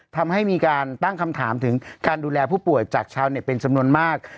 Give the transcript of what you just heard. ทำให้มีการตั้งคำถามถึงการดูแลผู้ป่วยจากชาวเน็ตเป็นจำนวนมาก